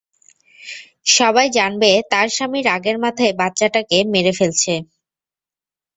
সবাই জনবে তার স্বামী রাগের মাথায় বাচ্চা টা কে মেরে ফেলেছে।